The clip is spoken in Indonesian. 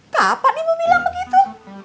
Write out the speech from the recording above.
kapan ibu bilang begitu